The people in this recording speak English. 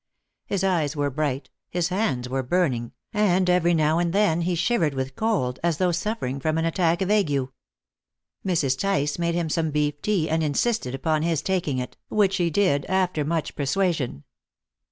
His eyes were bright, his hands were burning, and every now and again he shivered with cold, as though suffering from an attack of ague. Mrs. Tice made him some beef tea, and insisted upon his taking it, which he did after much persuasion.